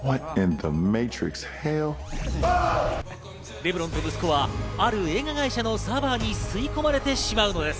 レブロンと息子はある映画会社のサーバーに吸い込まれてしまうのです。